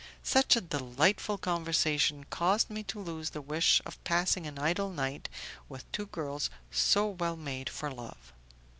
Such a delightful conversation caused me to lose the wish of passing an idle night with two girls so well made for love.